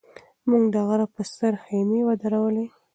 موږ د غره په سر خیمې ودرولې.